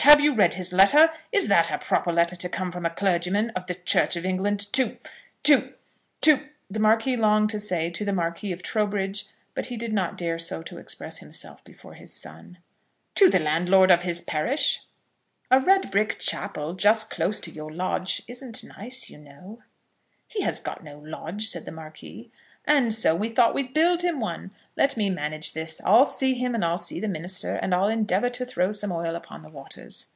Have you read his letter? Is that a proper letter to come from a clergyman of the Church of England to to to " the Marquis longed to say to the Marquis of Trowbridge; but he did not dare so to express himself before his son, "to the landlord of his parish?" "A red brick chapel, just close to your lodge, isn't nice, you know." "He has got no lodge," said the Marquis. "And so we thought we'd build him one. Let me manage this. I'll see him, and I'll see the minister, and I'll endeavour to throw some oil upon the waters."